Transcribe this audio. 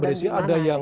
beragam badis ya